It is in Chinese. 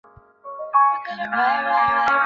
斑皮蠹属是皮蠹科下的一个属。